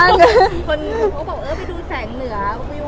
คนคนบอกเออไปดูแสงเหนือวิวมันก็สวย